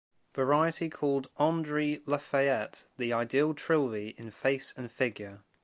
Variety called Andree Lafayette "the ideal Trilby in face and figure".